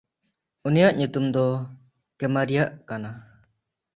ᱩᱱᱤᱭᱟᱜ ᱧᱩᱛᱩᱢ ᱫᱚ ᱠᱮᱢᱟᱨᱤᱭᱟᱦ ᱠᱟᱱᱟ᱾